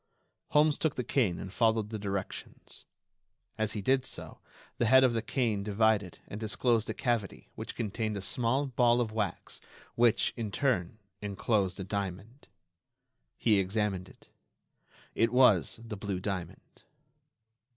Holmes took the cane and followed the directions. As he did so, the head of the cane divided and disclosed a cavity which contained a small ball of wax which, in turn, enclosed a diamond. He examined it. It was the blue diamond.